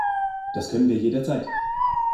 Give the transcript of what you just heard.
Das können wir jederzeit.